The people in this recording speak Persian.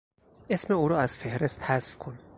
اسم او را از فهرست حذف کن.